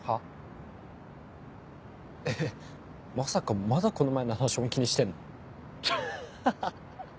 えっまさかまだこの前の話本気にしてんの？ハハハ。